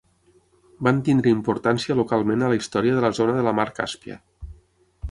Van tenir importància localment a la història de la zona de la mar Càspia.